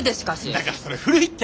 だからそれ古いって！